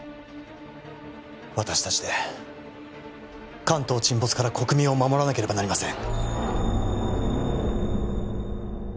私達で関東沈没から国民を守らなければなりません